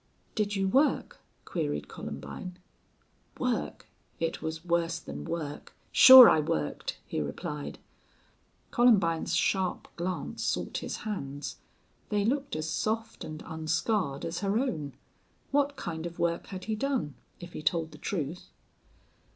"Did you work?" queried Columbine. "Work! It was worse than work.... Sure I worked," he replied. Columbine's sharp glance sought his hands. They looked as soft and unscarred as her own. What kind of work had he done, if he told the truth?